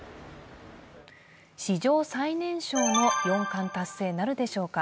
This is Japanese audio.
史上最年少の四冠達成なるでしょうか？